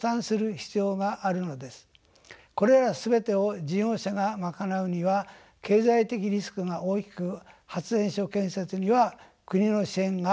これら全てを事業者が賄うには経済的リスクが大きく発電所建設には国の支援が重要です。